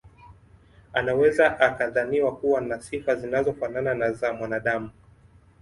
Anaweza akadhaniwa kuwa na sifa zinazofanana na za mwanaadamu